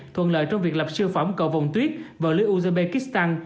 thuận lợi trong việc lập sư phỏng cầu vòng tuyết vào lưới uzbekistan